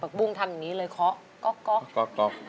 บักบุ้งทำอย่างนี้เลยคอ๊ะก็กก็กก็ก